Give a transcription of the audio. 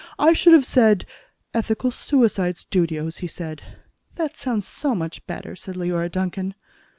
"I should have said, 'Ethical Suicide Studios,'" he said. "That sounds so much better," said Leora Duncan.